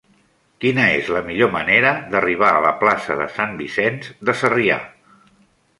Quina és la millor manera d'arribar a la plaça de Sant Vicenç de Sarrià?